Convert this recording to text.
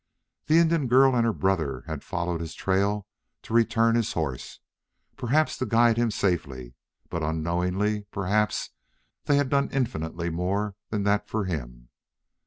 The Indian girl and her brother had followed his trail to return his horse, perhaps to guide him safely, but, unknowingly perhaps, they had done infinitely more than that for him.